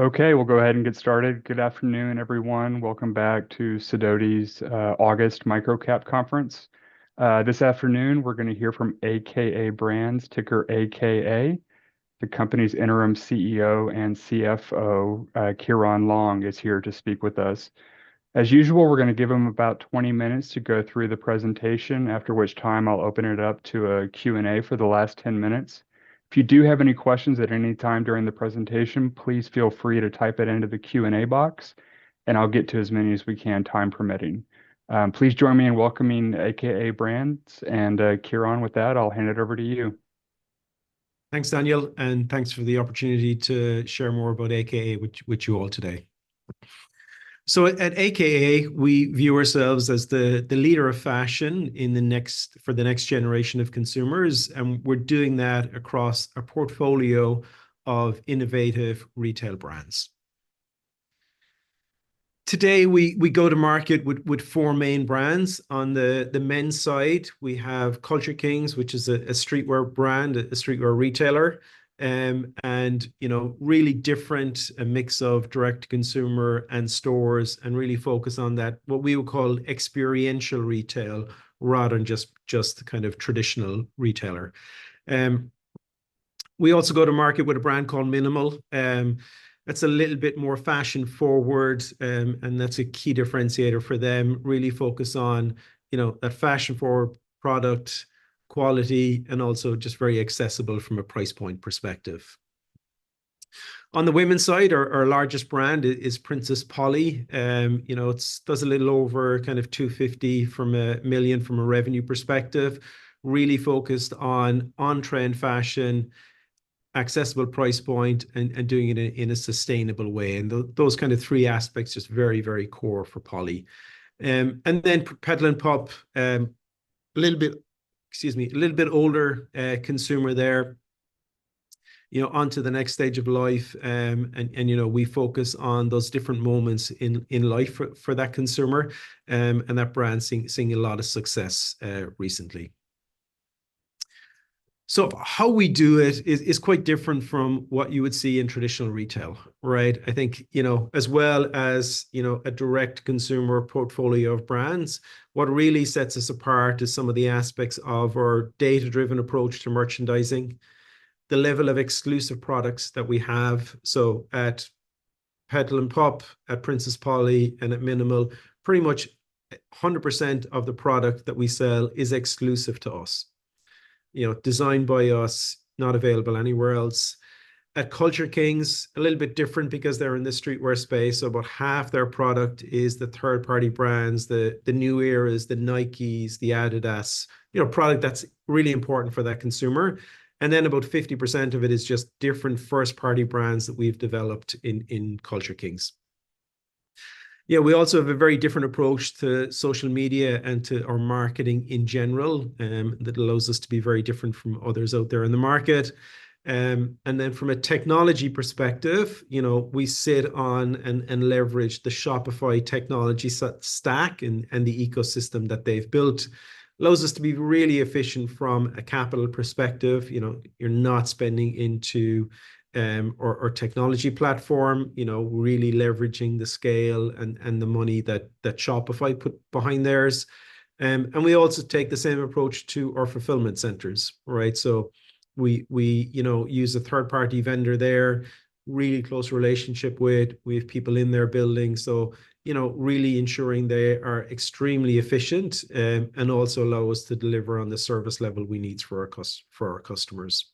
Okay, we'll go ahead and get started. Good afternoon, everyone. Welcome back to Sidoti's August MicroCap Conference. This afternoon, we're gonna hear from a.k.a. Brands, ticker AKA. The company's Interim CEO and CFO, Ciaran Long, is here to speak with us. As usual, we're gonna give him about 20 minutes to go through the presentation, after which time I'll open it up to a Q&A for the last 10 minutes. If you do have any questions at any time during the presentation, please feel free to type it into the Q&A box, and I'll get to as many as we can, time permitting. Please join me in welcoming a.k.a. Brands and Ciaran, with that, I'll hand it over to you. Thanks, Daniel, and thanks for the opportunity to share more about a.k.a. with you all today. So at a.k.a., we view ourselves as the leader of fashion for the next generation of consumers, and we're doing that across a portfolio of innovative retail brands. Today, we go to market with four main brands. On the men's side, we have Culture Kings, which is a streetwear brand, a streetwear retailer, and, you know, really different, a mix of direct-to-consumer and stores and really focus on that, what we would call experiential retail, rather than just the kind of traditional retailer. We also go to market with a brand called mnml. That's a little bit more fashion-forward, and that's a key differentiator for them, really focus on, you know, a fashion-forward product quality and also just very accessible from a price point perspective. On the women's side, our largest brand is Princess Polly. You know, does a little over kind of $250 million from a revenue perspective, really focused on on-trend fashion, accessible price point, and doing it in a sustainable way, and those kind of three aspects, just very, very core for Polly. And then Petal & Pup, a little bit... Excuse me, a little bit older, consumer there, you know, onto the next stage of life, and, you know, we focus on those different moments in life for that consumer, and that brand's seeing a lot of success recently. So how we do it is quite different from what you would see in traditional retail, right? I think, you know, as well as, you know, a direct consumer portfolio of brands, what really sets us apart is some of the aspects of our data-driven approach to merchandising, the level of exclusive products that we have. So at Petal & Pup, at Princess Polly, and at mnml, pretty much 100% of the product that we sell is exclusive to us. You know, designed by us, not available anywhere else. At Culture Kings, a little bit different because they're in the streetwear space, about half their product is the third-party brands, the New Eras, the Nikes, the adidas, you know, product that's really important for that consumer, and then about 50% of it is just different first-party brands that we've developed in Culture Kings. Yeah, we also have a very different approach to social media and to our marketing in general, that allows us to be very different from others out there in the market. And then from a technology perspective, you know, we sit on and leverage the Shopify technology stack and the ecosystem that they've built. Allows us to be really efficient from a capital perspective. You know, you're not spending into our technology platform, you know, really leveraging the scale and the money that Shopify put behind theirs. And we also take the same approach to our fulfillment centers, right? So we, you know, use a third-party vendor there, really close relationship with. We have people in their building, so, you know, really ensuring they are extremely efficient, and also allow us to deliver on the service level we need for our customers.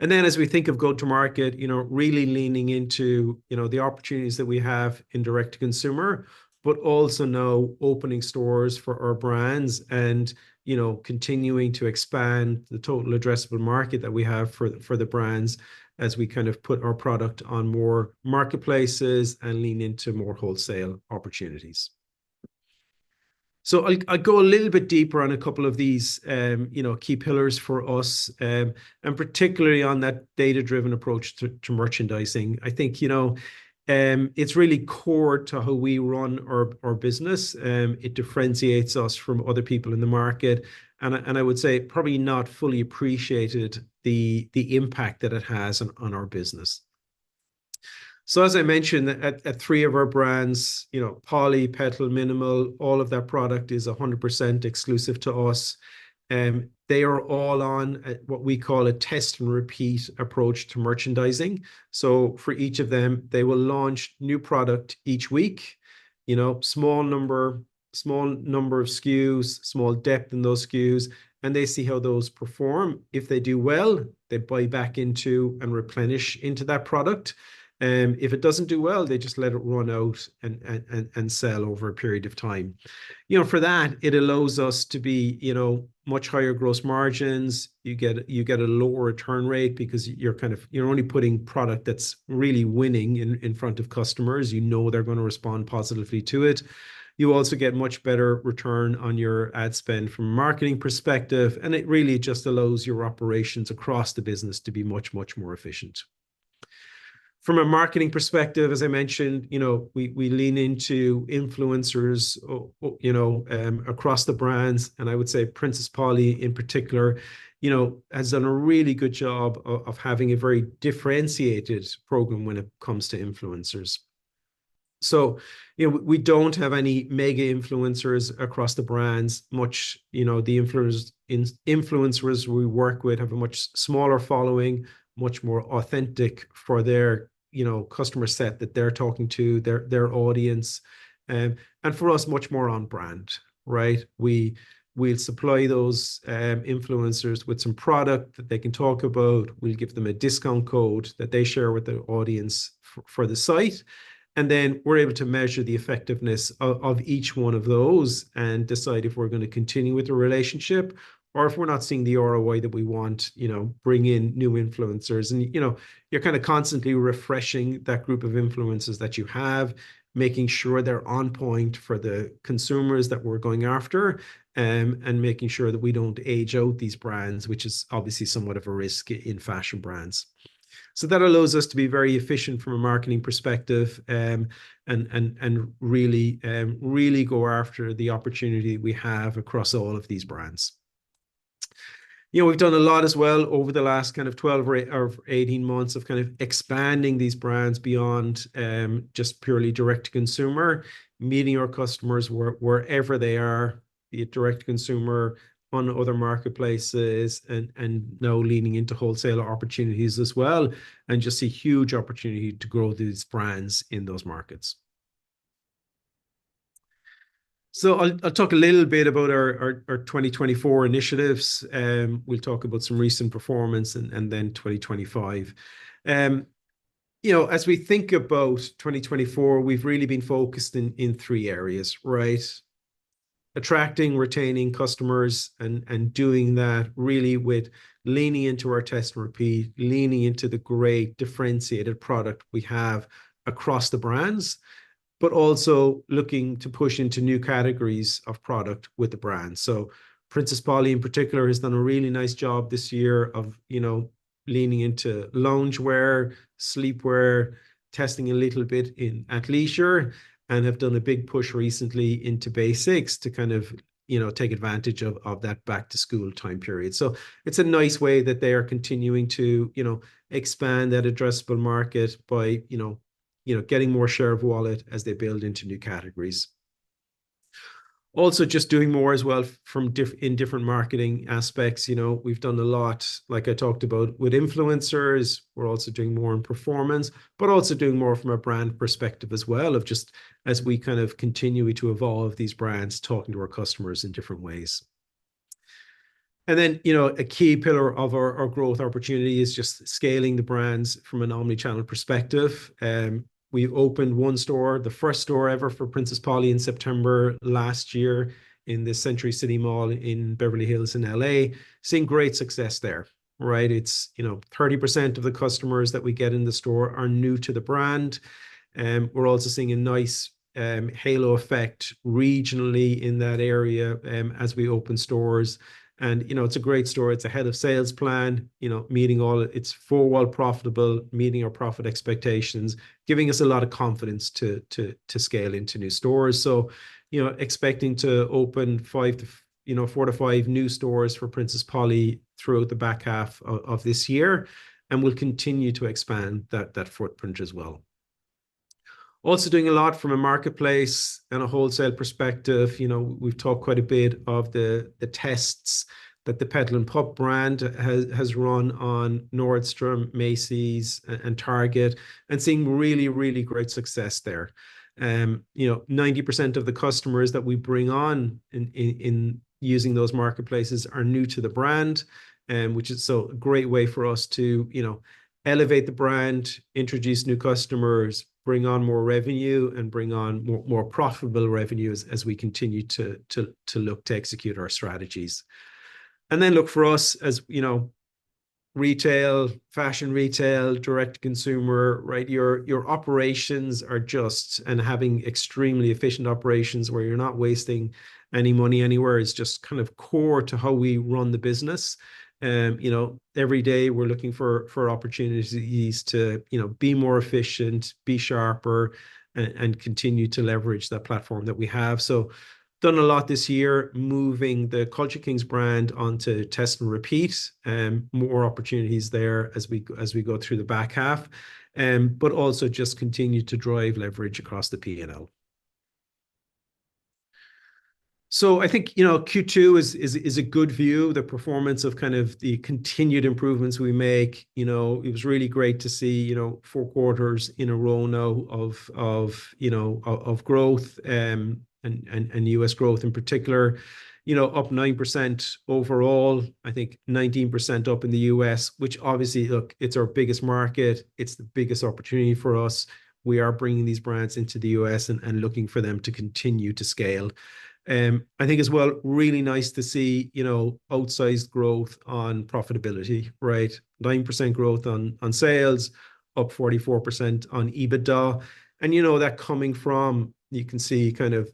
And then as we think of go-to-market, you know, really leaning into, you know, the opportunities that we have in direct-to-consumer, but also now opening stores for our brands and, you know, continuing to expand the total addressable market that we have for the brands as we kind of put our product on more marketplaces and lean into more wholesale opportunities. So I'll go a little bit deeper on a couple of these, you know, key pillars for us, and particularly on that data-driven approach to merchandising. I think, you know, it's really core to how we run our business. It differentiates us from other people in the market, and I would say probably not fully appreciated the impact that it has on our business. So as I mentioned, at three of our brands, you know, Polly, Petal, mnml, all of their product is 100% exclusive to us, they are all on what we call a test and repeat approach to merchandising. So for each of them, they will launch new product each week, you know, small number of SKUs, small depth in those SKUs, and they see how those perform. If they do well, they buy back into and replenish into that product. If it doesn't do well, they just let it run out and sell over a period of time. You know, for that, it allows us to be, you know, much higher gross margins. You get a lower return rate because you're kind of you're only putting product that's really winning in front of customers. You know they're gonna respond positively to it. You also get much better return on your ad spend from a marketing perspective, and it really just allows your operations across the business to be much, much more efficient. From a marketing perspective, as I mentioned, you know, we, we lean into influencers, you know, across the brands, and I would say Princess Polly, in particular, you know, has done a really good job of having a very differentiated program when it comes to influencers. So, you know, we, we don't have any mega-influencers across the brands. Much, you know, the influencers influencers we work with have a much smaller following, much more authentic for their, you know, customer set that they're talking to, their, their audience, and for us, much more on brand, right? We'll supply those, influencers with some product that they can talk about. We'll give them a discount code that they share with their audience for the site, and then we're able to measure the effectiveness of each one of those and decide if we're gonna continue with the relationship or, if we're not seeing the ROI that we want, you know, bring in new influencers. And, you know, you're kind of constantly refreshing that group of influencers that you have, making sure they're on point for the consumers that we're going after, and making sure that we don't age out these brands, which is obviously somewhat of a risk in fashion brands. So that allows us to be very efficient from a marketing perspective, and really go after the opportunity we have across all of these brands. You know, we've done a lot as well over the last kind of 12 or 18 months of kind of expanding these brands beyond just purely direct-to-consumer, meeting our customers wherever they are, be it direct-to-consumer, on other marketplaces, and now leaning into wholesale opportunities as well, and just a huge opportunity to grow these brands in those markets. So I'll talk a little bit about our 2024 initiatives. We'll talk about some recent performance and then 2025. You know, as we think about 2024, we've really been focused in three areas, right? Attracting, retaining customers, and doing that really with leaning into our test and repeat, leaning into the great differentiated product we have across the brands, but also looking to push into new categories of product with the brand. So Princess Polly, in particular, has done a really nice job this year of, you know, leaning into loungewear, sleepwear, testing a little bit in athleisure, and have done a big push recently into basics to kind of, you know, take advantage of that back-to-school time period. So it's a nice way that they are continuing to, you know, expand that addressable market by, you know, you know, getting more share of wallet as they build into new categories. Also, just doing more as well from different marketing aspects. You know, we've done a lot, like I talked about, with influencers. We're also doing more in performance, but also doing more from a brand perspective as well of just as we kind of continue to evolve these brands, talking to our customers in different ways. And then, you know, a key pillar of our growth opportunity is just scaling the brands from an omni-channel perspective. We've opened one store, the first store ever for Princess Polly, in September last year in the Century City Mall in Beverly Hills, in L.A. Seeing great success there, right? It's, you know, 30% of the customers that we get in the store are new to the brand. We're also seeing a nice halo effect regionally in that area as we open stores. And, you know, it's a great store. It's ahead of sales plan, you know, meeting all. It's full while profitable, meeting our profit expectations, giving us a lot of confidence to scale into new stores. So, you know, expecting to open 5 to, you know, 4-5 new stores for Princess Polly throughout the back half of this year, and we'll continue to expand that footprint as well. Also, doing a lot from a marketplace and a wholesale perspective. You know, we've talked quite a bit of the tests that the Petal & Pup brand has run on Nordstrom, Macy's, and Target, and seeing really, really great success there. You know, 90% of the customers that we bring on in using those marketplaces are new to the brand, which is so a great way for us to, you know, elevate the brand, introduce new customers, bring on more revenue, and bring on more profitable revenue as we continue to look to execute our strategies. Look, for us, as you know, retail, fashion retail, direct-to-consumer, right? Your operations are just and having extremely efficient operations where you're not wasting any money anywhere is just kind of core to how we run the business. You know, every day we're looking for opportunities to, you know, be more efficient, be sharper, and continue to leverage that platform that we have. So done a lot this year, moving the Culture Kings brand onto test and repeat, more opportunities there as we go through the back half, but also just continue to drive leverage across the P&L. So I think, you know, Q2 is a good view, the performance of kind of the continued improvements we make. You know, it was really great to see, you know, four quarters in a row now of growth, and U.S. growth in particular. You know, up 9% overall, I think 19% up in the U.S., which obviously, look, it's our biggest market. It's the biggest opportunity for us. We are bringing these brands into the U.S. and looking for them to continue to scale. I think as well, really nice to see, you know, outsized growth on profitability, right? 9% growth on sales, up 44% on EBITDA, and you know, that coming from. You can see kind of,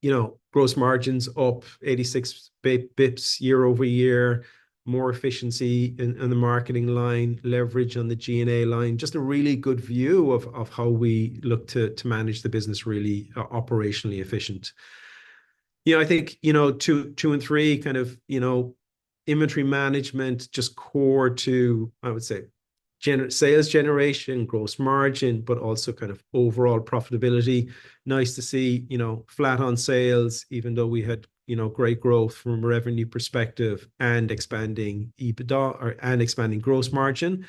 you know, gross margins up 86 bps year-over-year, more efficiency in the marketing line, leverage on the G&A line. Just a really good view of how we look to manage the business really operationally efficient. Yeah, I think, you know, 2, 2 and 3 kind of, you know, inventory management, just core to, I would say, general sales generation, gross margin, but also kind of overall profitability. Nice to see, you know, flat on sales even though we had, you know, great growth from a revenue perspective and expanding EBITDA and expanding gross margin.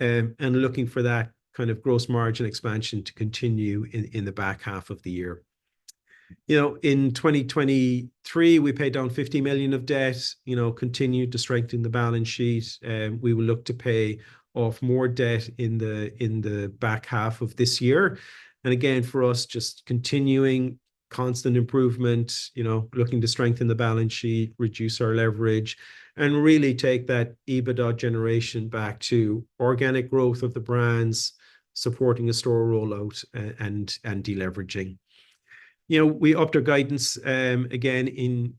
And looking for that kind of gross margin expansion to continue in the back half of the year. You know, in 2023, we paid down $50 million of debt, you know, continued to strengthen the balance sheet. We will look to pay off more debt in the back half of this year. And again, for us, just continuing constant improvement, you know, looking to strengthen the balance sheet, reduce our leverage, and really take that EBITDA generation back to organic growth of the brands, supporting a store rollout, and deleveraging. You know, we upped our guidance again in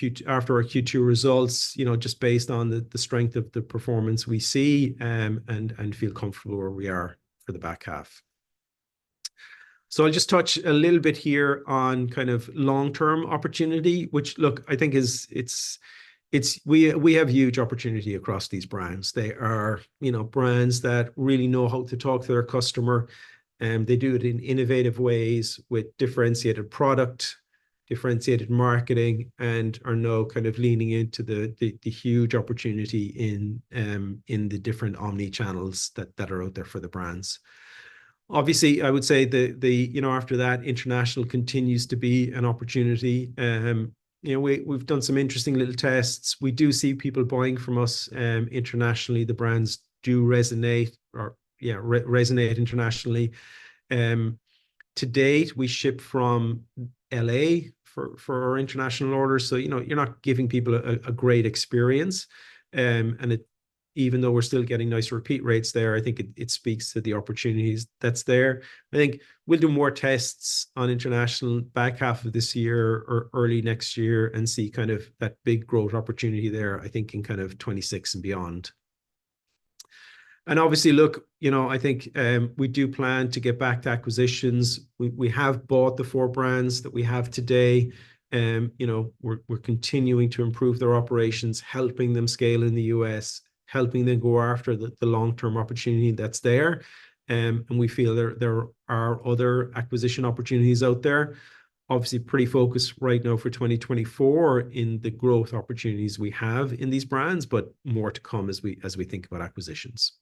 Q3 after our Q2 results, you know, just based on the strength of the performance we see and feel comfortable where we are for the back half. So I'll just touch a little bit here on kind of long-term opportunity, which, look, I think is it. We have huge opportunity across these brands. They are, you know, brands that really know how to talk to their customer. They do it in innovative ways with differentiated product, differentiated marketing, and are now kind of leaning into the huge opportunity in the different omni-channels that are out there for the brands. Obviously, I would say after that, international continues to be an opportunity. You know, we've done some interesting little tests. We do see people buying from us internationally. The brands do resonate internationally. To date, we ship from L.A. for our international orders, so, you know, you're not giving people a great experience. And even though we're still getting nice repeat rates there, I think it speaks to the opportunities that's there. I think we'll do more tests on international back half of this year or early next year and see kind of that big growth opportunity there, I think in kind of 2026 and beyond. And obviously, look, you know, I think, we do plan to get back to acquisitions. We, we have bought the four brands that we have today, you know, we're, we're continuing to improve their operations, helping them scale in the U.S., helping them go after the, the long-term opportunity that's there. And we feel there, there are other acquisition opportunities out there. Obviously, pretty focused right now for 2024 in the growth opportunities we have in these brands, but more to come as we, as we think about acquisitions.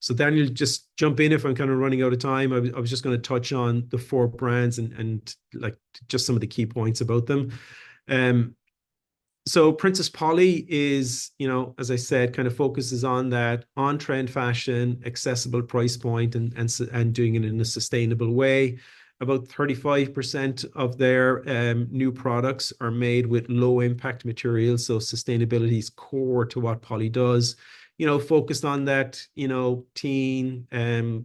So Daniel, just jump in if I'm kind of running out of time. I was just gonna touch on the four brands and, like, just some of the key points about them. So Princess Polly is, you know, as I said, kind of focuses on that on-trend fashion, accessible price point, and doing it in a sustainable way. About 35% of their new products are made with low-impact materials, so sustainability is core to what Polly does. You know, focused on that, you know, teen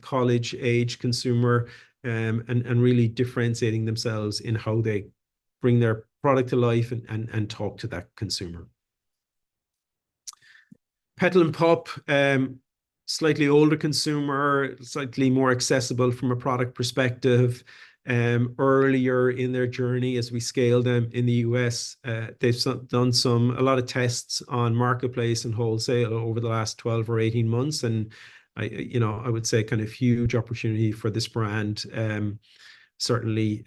college-age consumer, and really differentiating themselves in how they bring their product to life and talk to that consumer. Petal & Pup, slightly older consumer, slightly more accessible from a product perspective, earlier in their journey as we scale them in the U.S. They've done a lot of tests on marketplace and wholesale over the last 12 or 18 months, and I, you know, I would say kind of huge opportunity for this brand. Certainly,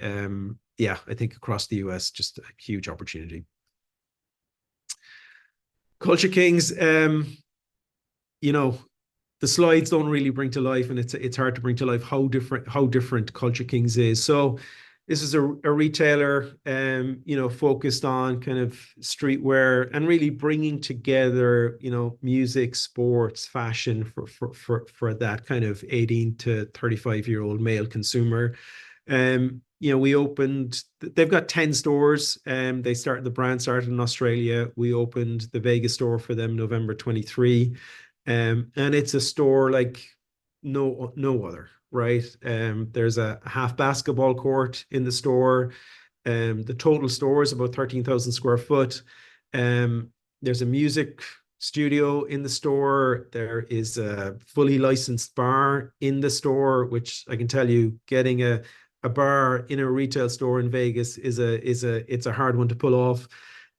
yeah, I think across the U.S., just a huge opportunity. Culture Kings, you know, the slides don't really bring to life, and it's hard to bring to life how different Culture Kings is. So this is a retailer, you know, focused on kind of streetwear and really bringing together, you know, music, sports, fashion for that kind of 18 to 35-year-old male consumer. You know, we opened... They've got 10 stores, they started- the brand started in Australia. We opened the Las Vegas store for them November 2023. And it's a store like no other, right? There's a half basketball court in the store. The total store is about 13,000 sq ft. There's a music studio in the store. There is a fully licensed bar in the store, which I can tell you, getting a bar in a retail store in Vegas is a hard one to pull off.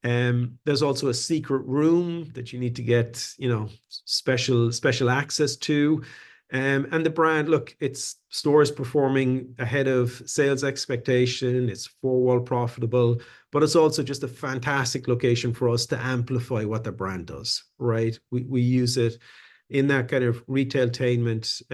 There's also a secret room that you need to get, you know, special access to. And the brand, look, its store is performing ahead of sales expectation. It's four-wall profitable, but it's also just a fantastic location for us to amplify what the brand does, right? We use it in that kind of retail-tainment,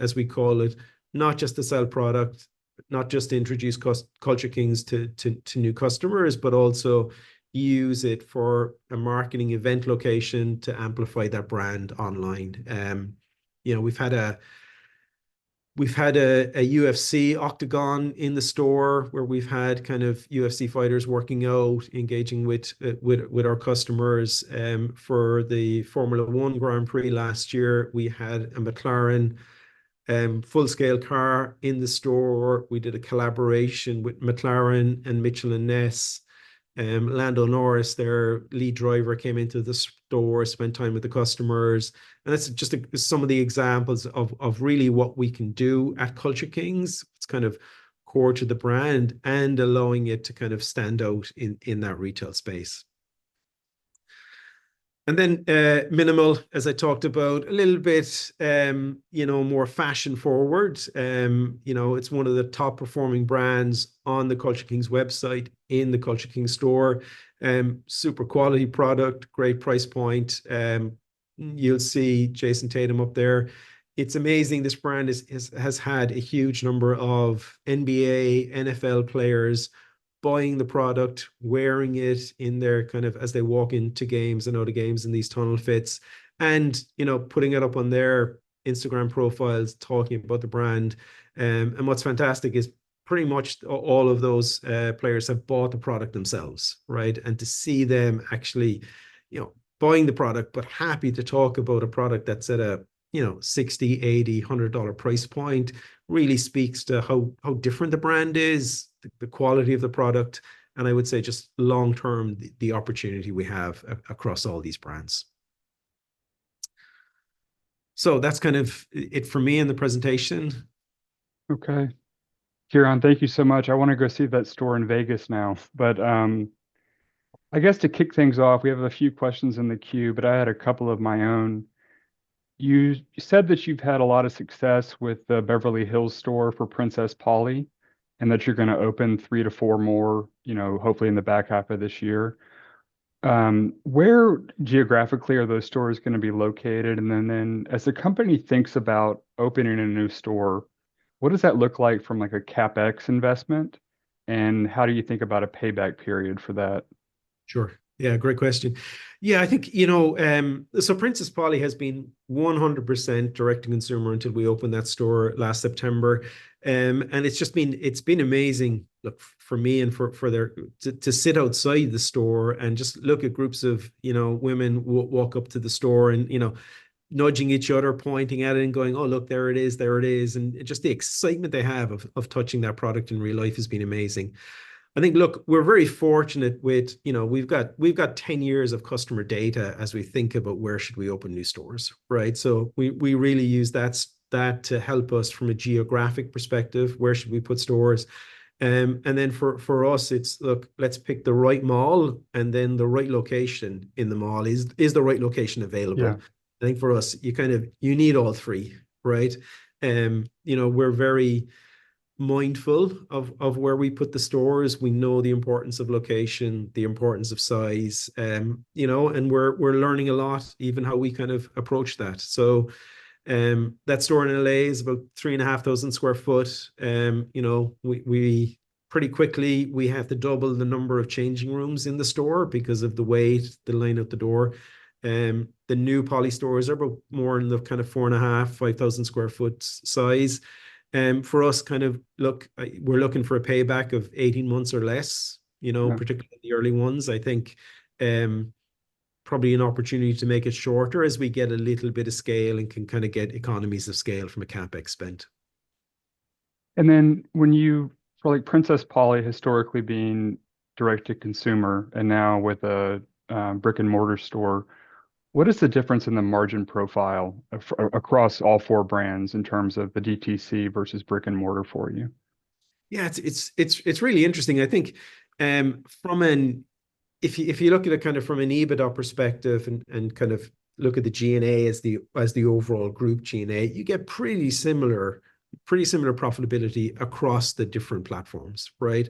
as we call it, not just to sell product, not just to introduce Culture Kings to new customers, but also use it for a marketing event location to amplify that brand online. You know, we've had a UFC Octagon in the store, where we've had kind of UFC fighters working out, engaging with our customers. For the Formula 1 Grand Prix last year, we had a McLaren full-scale car in the store. We did a collaboration with McLaren and Mitchell & Ness. Lando Norris, their lead driver, came into the store, spent time with the customers. And that's just some of the examples of really what we can do at Culture Kings. It's kind of core to the brand and allowing it to kind of stand out in that retail space. And then, mnml, as I talked about, a little bit, you know, more fashion-forward. You know, it's one of the top-performing brands on the Culture Kings website, in the Culture Kings store. Super quality product, great price point. You'll see Jayson Tatum up there. It's amazing, this brand has had a huge number of NBA, NFL players buying the product, wearing it as they walk into games and out of games in these tunnel fits and, you know, putting it up on their Instagram profiles, talking about the brand. And what's fantastic is pretty much all of those players have bought the product themselves, right? To see them actually, you know, buying the product, but happy to talk about a product that's at a, you know, 60, 80, $100 price point, really speaks to how different the brand is, the quality of the product, and I would say, just long-term, the opportunity we have across all these brands. So that's kind of it for me in the presentation. Okay. Ciaran, thank you so much. I wanna go see that store in Vegas now. But, I guess to kick things off, we have a few questions in the queue, but I had a couple of my own. You said that you've had a lot of success with the Beverly Hills store for Princess Polly, and that you're gonna open 3-4 more, you know, hopefully in the back half of this year. Where geographically are those stores gonna be located? And then, then as the company thinks about opening a new store, what does that look like from, like, a CapEx investment, and how do you think about a payback period for that? Sure. Yeah, great question. Yeah, I think, you know, so Princess Polly has been 100% direct-to-consumer until we opened that store last September. And it's just been, it's been amazing, look, for me and for their. To sit outside the store and just look at groups of, you know, women walk up to the store and, you know, nudging each other, pointing at it, and going, "Oh, look, there it is. There it is," and just the excitement they have of touching that product in real life has been amazing. I think, look, we're very fortunate with, you know, we've got, we've got 10 years of customer data as we think about: Where should we open new stores, right? So we really use that to help us from a geographic perspective, where should we put stores? And then for us, it's. Look, let's pick the right mall, and then the right location in the mall. Is the right location available? Yeah. I think for us, you need all three, right? You know, we're very mindful of where we put the stores. We know the importance of location, the importance of size, you know, and we're learning a lot, even how we kind of approach that. So, that store in L.A. is about 3,500 sq ft. You know, we pretty quickly have to double the number of changing rooms in the store because of the wait, the line out the door. The new Polly stores are more in the kind of 4,500 sq ft-5,000 sq ft size. For us, kind of, look, we're looking for a payback of 18 months or less, you know- Yeah Particularly the early ones. I think, probably an opportunity to make it shorter as we get a little bit of scale and can kind of get economies of scale from a CapEx spend. And then, well, like Princess Polly historically being direct-to-consumer, and now with a brick-and-mortar store, what is the difference in the margin profile across all four brands in terms of the DTC versus brick-and-mortar for you? Yeah, it's really interesting, and I think from an... If you look at it kind of from an EBITDA perspective and kind of look at the G&A as the overall group G&A, you get pretty similar profitability across the different platforms, right?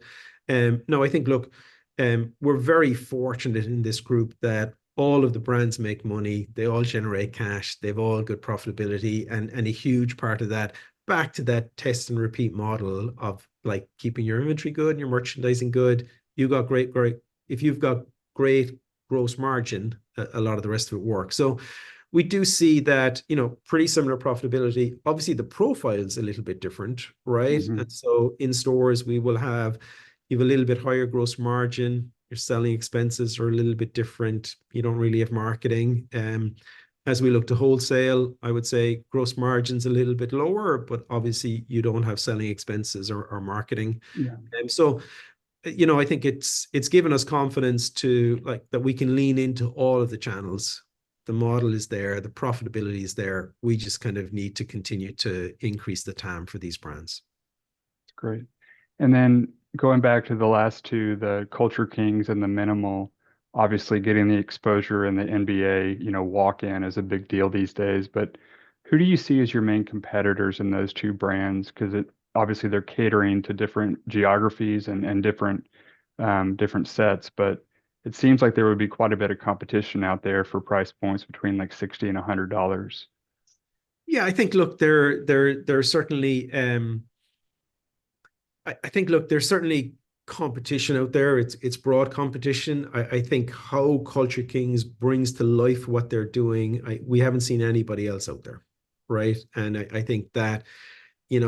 No, I think, look, we're very fortunate in this group that all of the brands make money. They all generate cash. They've all got profitability, and a huge part of that, back to that test-and-repeat model of, like, keeping your inventory good and your merchandising good. You've got great—if you've got great gross margin, a lot of the rest of it works. So we do see that, you know, pretty similar profitability. Obviously, the profile's a little bit different, right? Mm-hmm. In stores, we will have... You have a little bit higher gross margin. Your selling expenses are a little bit different. You don't really have marketing. As we look to wholesale, I would say gross margin's a little bit lower, but obviously you don't have selling expenses or marketing. Yeah. So, you know, I think it's given us confidence to, like, that we can lean into all of the channels. The model is there. The profitability is there. We just kind of need to continue to increase the time for these brands. That's great, and then going back to the last two, the Culture Kings and the mnml, obviously, getting the exposure in the NBA, you know, walk-in is a big deal these days, but who do you see as your main competitors in those two brands? 'Cause obviously, they're catering to different geographies and different sets, but it seems like there would be quite a bit of competition out there for price points between, like, $60-$100. Yeah, I think, look, there are certainly... I think, look, there's certainly competition out there. It's broad competition. I think how Culture Kings brings to life what they're doing... We haven't seen anybody else out there, right? And I think that, you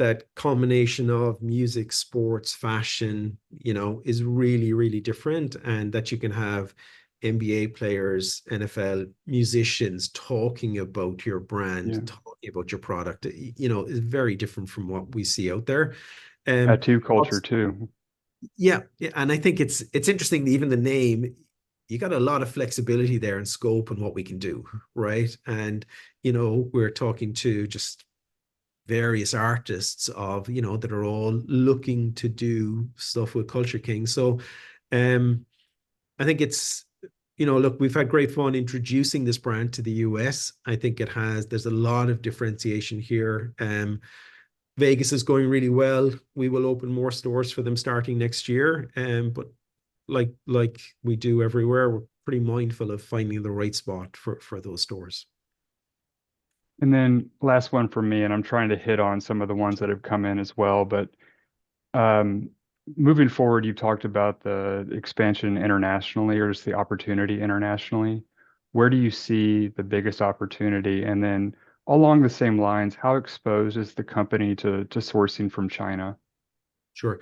know, that combination of music, sports, fashion, you know, is really, really different, and that you can have NBA players, NFL, musicians, talking about your brand- Yeah... talking about your product, you know, is very different from what we see out there. Tattoo culture, too. Yeah, yeah, and I think it's interesting that even the name, you got a lot of flexibility there and scope on what we can do, right? And, you know, we're talking to various artists of, you know, that are all looking to do stuff with Culture Kings. So, I think it's, you know, look, we've had great fun introducing this brand to the U.S. I think there's a lot of differentiation here. Vegas is going really well. We will open more stores for them starting next year, but like, like we do everywhere, we're pretty mindful of finding the right spot for those stores. And then last one from me, and I'm trying to hit on some of the ones that have come in as well, but, moving forward, you've talked about the expansion internationally or just the opportunity internationally. Where do you see the biggest opportunity? And then along the same lines, how exposed is the company to sourcing from China? Sure.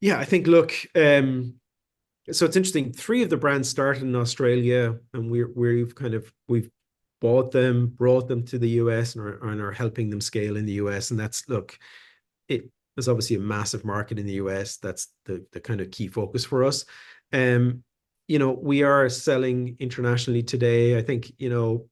Yeah, I think, look, So it's interesting, three of the brands started in Australia, and we're, we've kind of we've bought them, brought them to the U.S., and are, and are helping them scale in the U.S., and that's... Look, it, there's obviously a massive market in the U.S., that's the, the, kind of, key focus for us. You know, we are selling internationally today, I think, you know,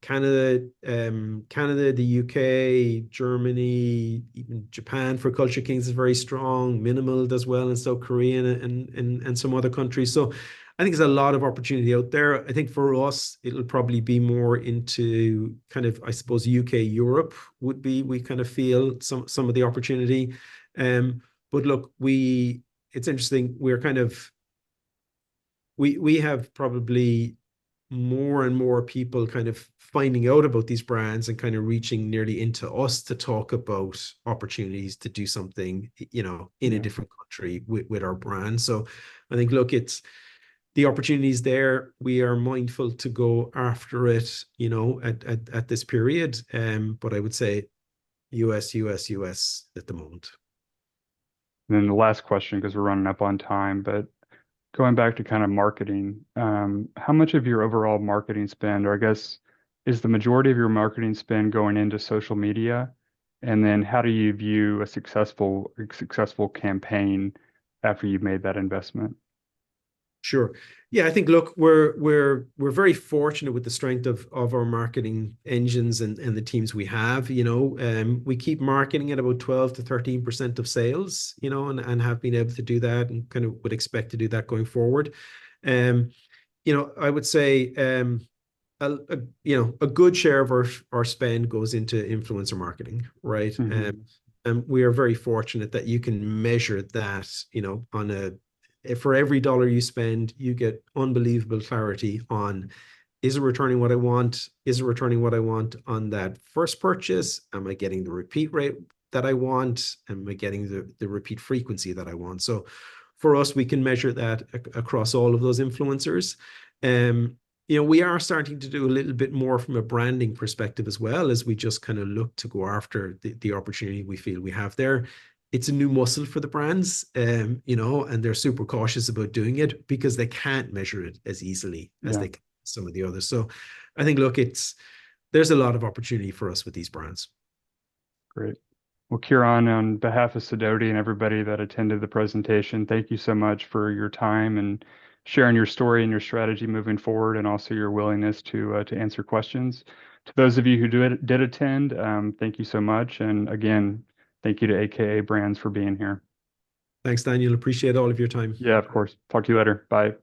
Canada, Canada, the U.K., Germany, even Japan, for Culture Kings, is very strong. mnml does well in South Korea, and, and, and some other countries. So I think there's a lot of opportunity out there. I think for us, it'll probably be more into kind of, I suppose U.K., Europe would be—we kind of feel some, some of the opportunity. But look, it's interesting. We're kind of, we have probably more and more people kind of finding out about these brands and kind of reaching nearly into us to talk about opportunities to do something, you know. Yeah... in a different country with our brand. So I think, look, it's the opportunity is there. We are mindful to go after it, you know, at this period. But I would say US at the moment. And then the last question, 'cause we're running up on time, but going back to kind of marketing, how much of your overall marketing spend, or I guess, is the majority of your marketing spend going into social media? And then how do you view a successful, a successful campaign after you've made that investment? Sure. Yeah, I think, look, we're very fortunate with the strength of our marketing engines and the teams we have. You know, we keep marketing at about 12%-13% of sales, you know, and have been able to do that and kind of would expect to do that going forward. You know, I would say, a good share of our spend goes into influencer marketing, right? Mm-hmm. We are very fortunate that you can measure that, you know, on a... For every dollar you spend, you get unbelievable clarity on, is it returning what I want? Is it returning what I want on that first purchase? Am I getting the repeat rate that I want, and am I getting the repeat frequency that I want? So for us, we can measure that across all of those influencers. We are starting to do a little bit more from a branding perspective as well, as we just kind of look to go after the opportunity we feel we have there. It's a new muscle for the brands, and they're super cautious about doing it because they can't measure it as easily- Yeah As they can some of the others. So I think, look, it's, there's a lot of opportunity for us with these brands. Great. Well, Ciaran, on behalf of Sidoti and everybody that attended the presentation, thank you so much for your time and sharing your story and your strategy moving forward, and also your willingness to answer questions. To those of you who did attend, thank you so much, and again, thank you to a.k.a. Brands for being here. Thanks, Daniel. Appreciate all of your time. Yeah, of course. Talk to you later. Bye.